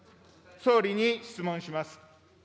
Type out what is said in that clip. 総理に質問します。